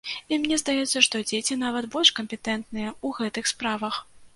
І мне здаецца, што дзеці нават больш кампетэнтныя ў гэтых справах.